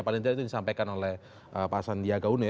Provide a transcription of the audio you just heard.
paling tidak itu disampaikan oleh pak sandiaga uno ya